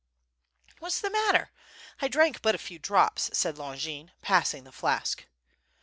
"What's the matter, I drank but a few drops," said Lon gin, passing the flask.